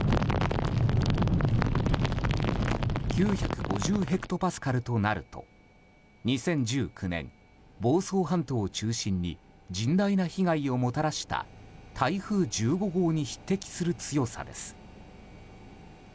９５０ヘクトパスカルとなると２０１９年、房総半島を中心に甚大な被害をもたらした台風１５号に匹敵する強さです。